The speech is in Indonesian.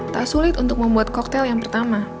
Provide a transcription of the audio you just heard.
tak sulit untuk membuat koktel yang pertama